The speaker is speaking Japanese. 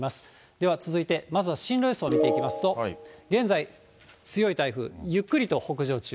では続いて、まずは進路予想を見ていきますと、現在、強い台風。ゆっくりと北上中。